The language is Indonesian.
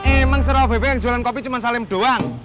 emang serawabai baik yang jualan kopi cuman salim doang